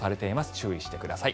注意してください。